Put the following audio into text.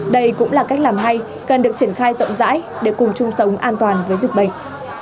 đây cũng là cách làm hay cần được triển khai rộng rãi để cùng chung sống an toàn với dịch bệnh